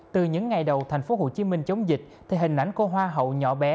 từ những ngày đầu thành phố hồ chí minh chống dịch thì hình ảnh của hoa hậu nhỏ bé